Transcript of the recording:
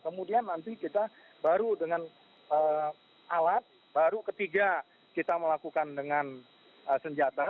kemudian nanti kita baru dengan alat baru ketiga kita melakukan dengan senjata